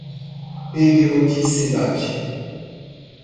periodicidade